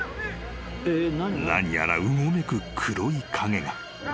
［何やらうごめく黒い影が］